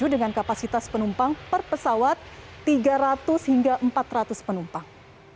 dengan kapasitas penumpang per pesawat tiga ratus hingga empat ratus penumpang